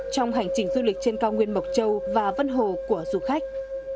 trong hành trình du lịch trên cao nguyên mộc châu và vân hồ của du khách